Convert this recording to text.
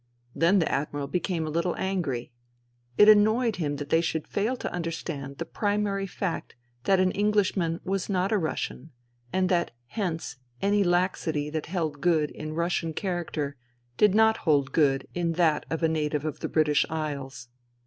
Then the Admiral became a little angry. It annoyed him that they should fail to understand the primary fact that an Englishman was not a Russian and that hence any laxity that held good in Russian character did not hold good in that of a native of the British Isles.